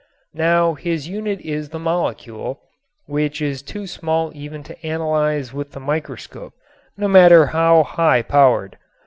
Now his unit is the molecule, which is too small even to analyze with the microscope, no matter how high powered.